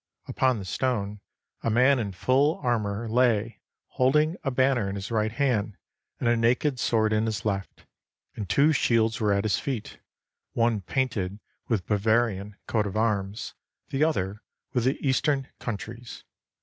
Upon the stone, a man in full armor lay, holding a ban ner in his right hand and a naked sword in his left, and two shields were at his feet, one painted with Bavarian (coat of arms), the other with the eastern countries.